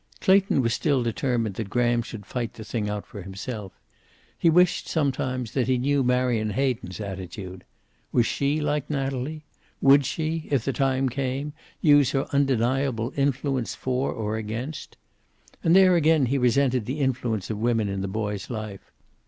Clayton was still determined that Graham should fight the thing out for himself. He wished, sometimes, that he knew Marion Hayden's attitude. Was she like Natalie? Would she, if the time came, use her undeniable influence for or against? And there again he resented the influence of women in the boy's life.